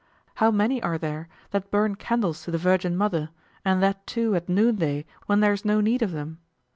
How many are there that burn candles to the Virgin Mother, and that too at noonday when there's no need of them!